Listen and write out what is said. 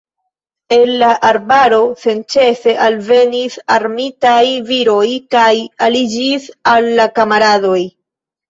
El la arbaro senĉese alvenis armitaj viroj kaj aliĝis al la kamaradoj.